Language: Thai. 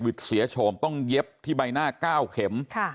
เสียโฉมต้องเย็บที่ใบหน้า๙เข็ม